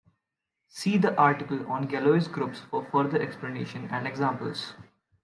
See the article on Galois groups for further explanation and examples.